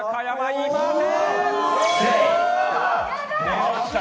いません。